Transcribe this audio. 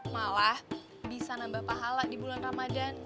malah bisa nambah pahala di bulan ramadan